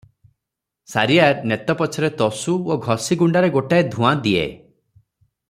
ସାରିଆ ନେତ ପଛରେ ତସୁ ଓ ଘଷି ଗୁଣ୍ତାରେ ଗୋଟାଏ ଧୂଆଁ ଦିଏ ।